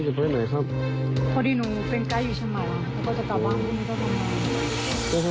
สวัสดีครับทุกคน